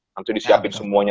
nanti disiapin semuanya